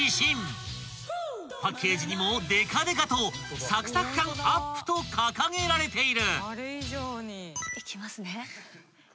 ［パッケージにもでかでかと「サクサク感ＵＰ」と掲げられている］